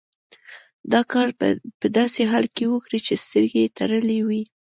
دا کار په داسې حال کې وکړئ چې سترګې یې تړلې وي.